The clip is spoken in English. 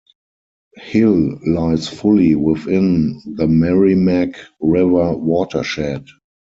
Hill lies fully within the Merrimack River watershed.